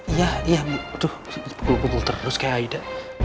iya iya tuh bukul bukul terus kayak aida